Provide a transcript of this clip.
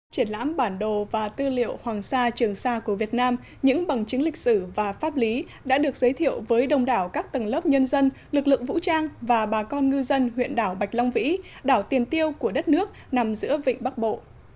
triển lãm bản đồ và tư liệu hoàng sa trường sa của việt nam những bằng chứng lịch sử và pháp lý đã được giới thiệu với đông đảo các tầng lớp nhân dân lực lượng vũ trang và bà con ngư dân huyện đảo bạch long vĩ đảo tiền tiêu của đất nước nằm giữa vịnh bắc bộ